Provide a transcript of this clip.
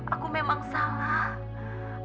aku memang salah